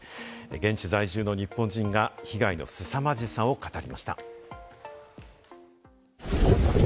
現地在住の日本人が被害のすさまじさを語りました。